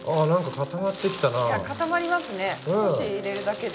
固まりますね少し入れるだけで。